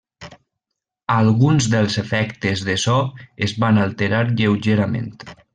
Alguns dels efectes de so es van alterar lleugerament.